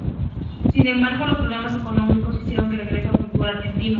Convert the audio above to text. Sin embargo, los problemas económicos hicieron que regresó al fútbol argentino.